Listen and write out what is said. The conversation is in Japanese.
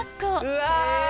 うわ